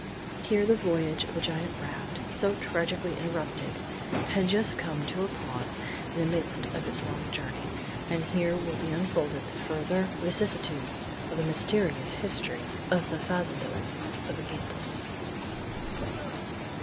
Here the voyage of the giant raft, so tragically interrupted, had just come to a pause in the midst of its long journey, and here will be unfolded the further vicissitudes of the mysterious history of the fazender of Iquitos.